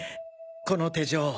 この手錠。